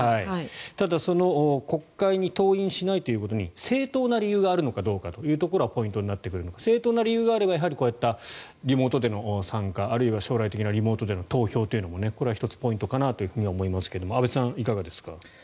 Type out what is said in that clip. ただ国会に登院しないというところに正当な理由があるのかどうかというところがポイントになってくるので正当な理由があればリモートでの参加あるいは将来的なリモートでの投票というのもこれは１つポイントかなとは思いますが安部さん、いかがですか？